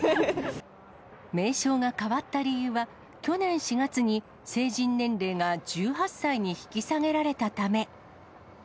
名称が変わった理由は、去年４月に成人年齢が１８歳に引き下げられたため。